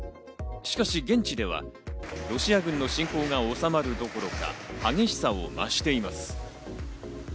しかし現地では、ロシア軍の侵攻が収まるどころか、激しさを増しています。